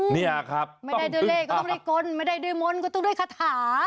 เนี่ยครับไม่ได้ด้วยเลขก็ต้องได้กลไม่ได้ด้วยมนต์ก็ต้องด้วยคาถา